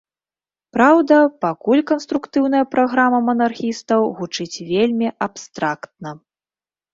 Праўда, пакуль канструктыўная праграма манархістаў гучыць вельмі абстрактна.